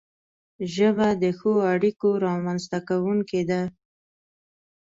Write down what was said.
ژبه د ښو اړیکو رامنځته کونکی ده